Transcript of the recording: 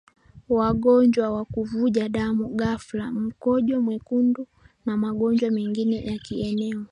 ugonjwa wa kuvuja damu ghafla mkojo mwekundu na magonjwa mengine ya kieneo